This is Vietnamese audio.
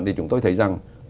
thì chúng tôi thấy rằng